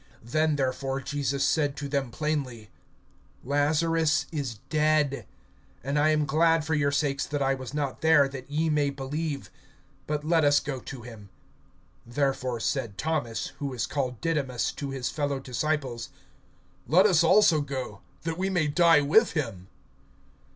(14)Then therefore Jesus said to them plainly: Lazarus is dead. (15)And I am glad for your sakes that I was not there, that ye may believe. But let us go to him. (16)Therefore said Thomas, who is called Didymus, to his fellow disciples: Let us also go, that we may die with him.